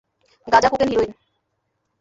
গাঁজা, cocaine, heroin.